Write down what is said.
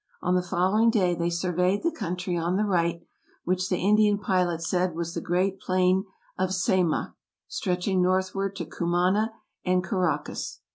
On the following day they surveyed the country on the right, which the In dian pilot said was the great plain of Sayma, stretching northward to Cumana and Caraccas.